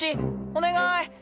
お願い。